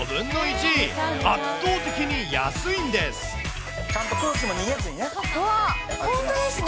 ちゃんと空気も逃げずにね。